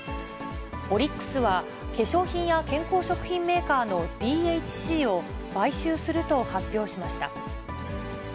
オリックスは、化粧品や健康食品メーカーのＤＨＣを買収すると発表しました。